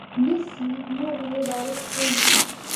Lucy mourut dans l'explosion.